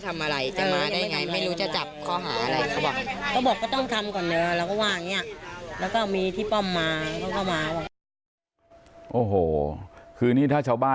เหรอเค้าไปแจ้งตำรวจตำรวจเค้าไม่มา